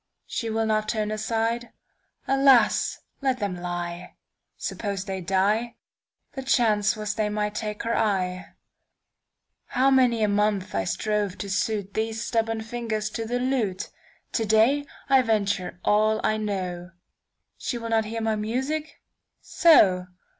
She will not turn aside? Alas! Let them lie. Suppose they die? The chance was they might take her eye. How many a month I strove to suitThese stubborn fingers to the lute! To day I venture all I know. She will not hear my music? So!